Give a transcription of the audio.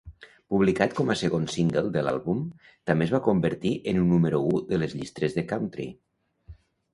Publicat com a segon single de l'àlbum, també es va convertir en un número u de les llistes de country.